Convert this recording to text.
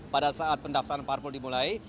pada saat pendaftaran parpol dimulai